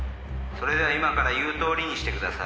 それでは今から言うとおりにしてください。